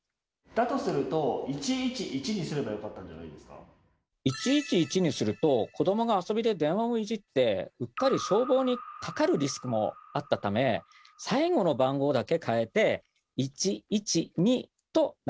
だとすると１１１にすると子どもが遊びで電話をいじってうっかり消防にかかるリスクもあったため最後の番号だけ変えて１１２となりました。